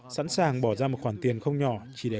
sẵn sàng bỏ ra một khoản tiền không nhỏ